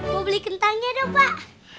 mau beli kentangnya dong pak